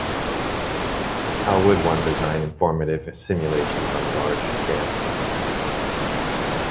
How would one design informative simulations on a large scale?